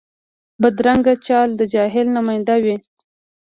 بدرنګه چال د جهل نماینده وي